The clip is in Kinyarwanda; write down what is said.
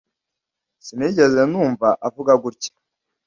Sinigeze numva uvuga gutya.